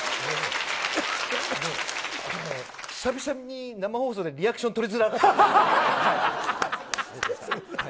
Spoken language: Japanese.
あのね、久々に生放送でリアクション取りづらかったです。